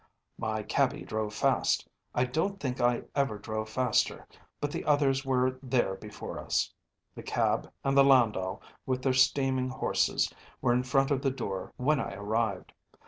“My cabby drove fast. I don’t think I ever drove faster, but the others were there before us. The cab and the landau with their steaming horses were in front of the door when I arrived.